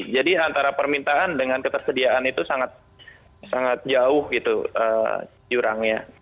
jadi antara permintaan dengan ketersediaan itu sangat jauh jurangnya